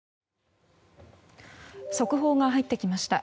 速報が入ってきました。